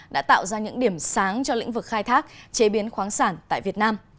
đã tạo ra những điểm sáng cho lĩnh vực khai thác chế biến khoáng sản tại việt nam